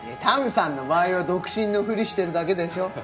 タムさんの場合は独身のふりしてるだけでしょ。